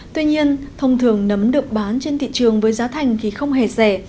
tuy nhiên thông thường nấm được bán trên thị trường với giá thành thì không hề rẻ